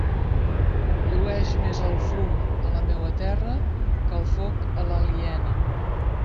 Llueix més el fum a la meua terra que el foc a l'aliena.